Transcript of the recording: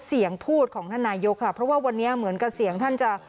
เสียงพูดของท่านนายกค่ะเพราะว่าวันนี้เหมือนกับเสียงท่านจะ